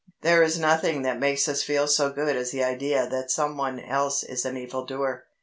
There is nothing that makes us feel so good as the idea that some one else is an evildoer.